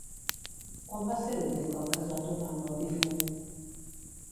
Quan va ser l'últim cop que es va topar amb el difunt?